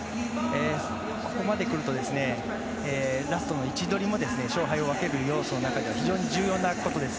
ここまでくるとラストの位置取りも勝敗を分ける要素の中では非常に重要なことです。